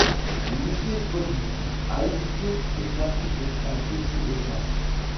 Le musée Paul-Dupuy a édité des cartes postales de ces dessins.